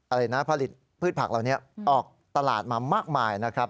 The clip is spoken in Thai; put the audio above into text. อะไรนะผลิตพืชผักเหล่านี้ออกตลาดมามากมายนะครับ